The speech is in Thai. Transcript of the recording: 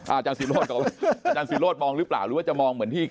อาจารย์วิโรธมองหรือเปล่าหรือว่าจะมองเหมือนที่